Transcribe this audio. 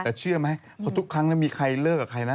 แต่เชื่อไหมเพราะทุกครั้งมีใครเลิกกับใครนะ